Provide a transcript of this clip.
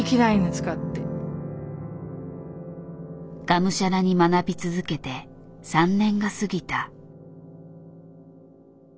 がむしゃらに学び続けて３年が過ぎた。